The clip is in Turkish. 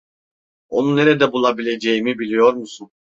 Onu nerede bulabileceğimi biliyor musun?